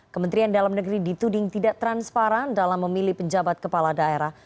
kementerian dalam negeri dituding tidak transparan dalam memilih penjabat kepala daerah